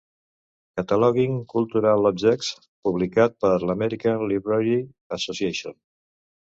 "Cataloging Cultural Objects" publicat per l'American Library Association.